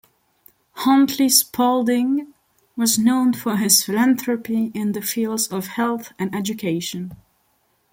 Huntley Spaulding was known for his philanthropy in the fields of health and education.